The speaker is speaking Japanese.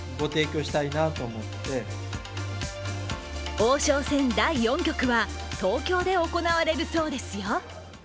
王将戦第４局は東京で行われるそうですよ。